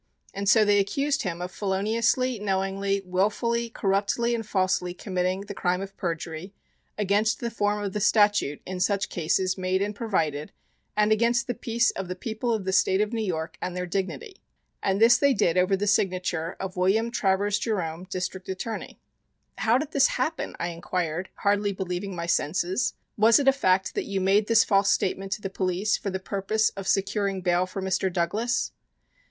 And so they accused him of feloniously, knowingly, wilfully, corruptly, and falsely committing the crime of perjury against the form of the statute in such cases made and provided, and against the peace of the People of the State of New York and their dignity. And this they did over the signature of William Travers Jerome, District Attorney. "How did this happen?" I inquired, hardly believing my senses. "Was it a fact that you made this false statement to the Police for the purpose of securing bail for Mr. Douglas?"